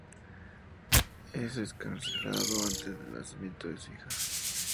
Es encarcelado antes del nacimiento de su hija.